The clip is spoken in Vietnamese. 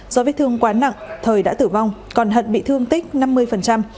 do vết thương quá nặng thời đã tử vong còn hận bị thương tích năm mươi